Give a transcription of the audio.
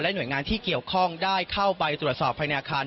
หน่วยงานที่เกี่ยวข้องได้เข้าไปตรวจสอบภายในอาคาร